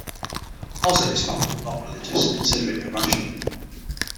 Oz and his family were not religious, considering it irrational.